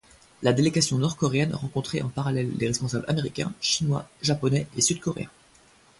La délégation nord-coréenne rencontrait en parallèle les responsables américains, chinois, japonais et sud-coréens.